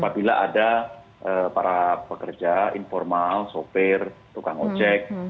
bila ada para pekerja informal sopir tukang ojek